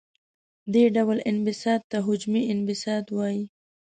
دې ډول انبساط ته حجمي انبساط وايي.